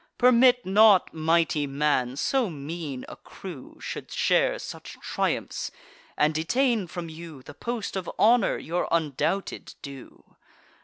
Permit not, mighty man, so mean a crew Should share such triumphs, and detain from you The post of honour, your undoubted due.